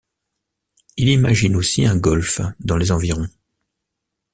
Il imagine aussi un golf dans les environs.